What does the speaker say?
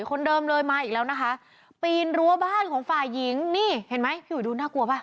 คนเดิมเลยมาอีกแล้วนะคะปีนรั้วบ้านของฝ่ายหญิงนี่เห็นไหมพี่อุ๋ยดูน่ากลัวป่ะ